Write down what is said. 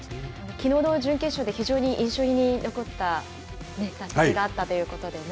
きのうの準決勝で非常に印象に残った打席があったということ